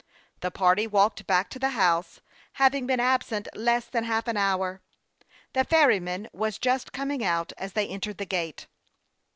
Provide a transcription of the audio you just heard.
The party walked back to the house, having been absent less than half an hour. The ferryman was just coming out as they entered the gate.